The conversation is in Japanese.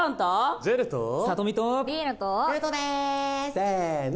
せの！